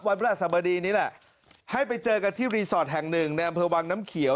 พระราชสบดีนี่แหละให้ไปเจอกันที่รีสอร์ทแห่งหนึ่งในอำเภอวังน้ำเขียว